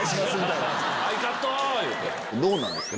どうなんですか？